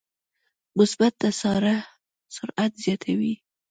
مثبت تسارع سرعت زیاتوي.